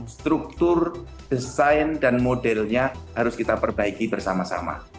struktur desain dan modelnya harus kita perbaiki bersama sama